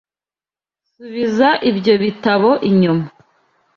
Subiza ibyo bitabo inyuma.